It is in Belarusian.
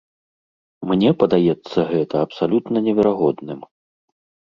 Мне падаецца гэта абсалютна неверагодным.